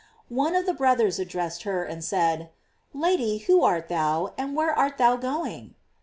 One of the brothers addressed her, and said: "Lady, who art thou? and where art thou going?"